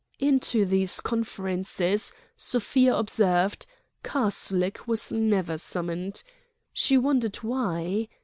Into these conferences, Sofia observed, Karslake was never summoned. She wondered why.